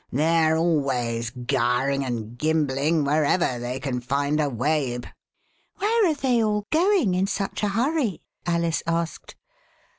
They're always gyring and gimbling wherever they can find a wabe." f0 J. THE WHITE KING, " Where are they all going in such a hurry ? Alice asked.